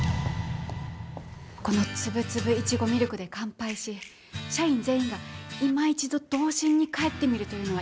このつぶつぶいちごミルクで乾杯し社員全員がいま一度童心に返ってみるというのはいかがでしょうか。